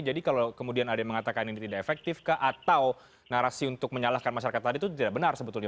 jadi kalau kemudian ada yang mengatakan ini tidak efektif atau narasi untuk menyalahkan masyarakat tadi itu tidak benar sebetulnya